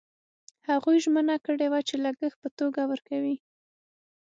هغوی ژمنه کړې وه چې لګښت په توګه ورکوي.